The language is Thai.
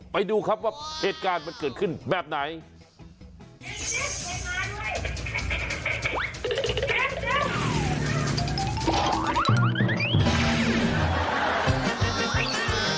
ไปดูครับว่าเหตุการณ์มันเกิดขึ้นแบบไหน